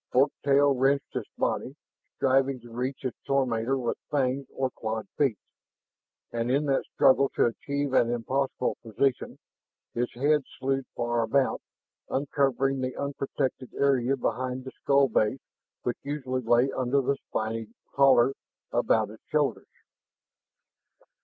Fork tail wrenched its body, striving to reach its tormentor with fangs or clawed feet. And in that struggle to achieve an impossible position, its head slued far about, uncovering the unprotected area behind the skull base which usually lay under the spiny collar about its shoulders.